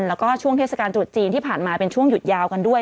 แล้วก็ช่วงเทศกาลตรุษจีนที่ผ่านมาเป็นช่วงหยุดยาวกันด้วย